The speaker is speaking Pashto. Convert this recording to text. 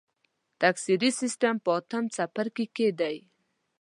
تکثري سیستم په اتم څپرکي کې دی.